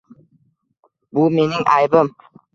Bu mening aybim.